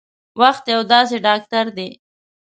وخت یو داسې ډاکټر دی